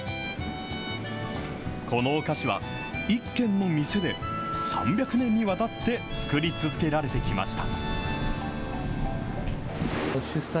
このお菓子は、１軒の店で３００年にわたって作り続けられてきました。